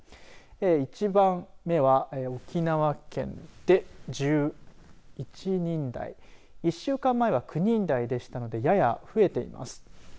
１番目は沖縄県で１１人台１週間前は９人台でしたのでやや増えています。